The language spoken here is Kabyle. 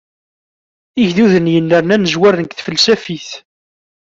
Igduden yennernan zwaren deg tfelsafit.